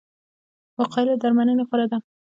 وقایه له درملنې غوره ده